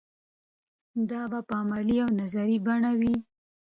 دا په عملي او نظري بڼه وي.